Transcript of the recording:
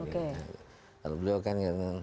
kalau beliau kan